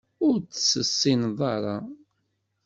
Ur tt-tessineḍ ara